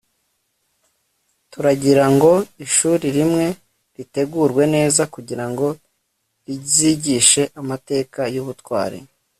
turagira ngo ishuri rimwe ritegurwe neza kugira ngo rizigishe amateka y'ubutwari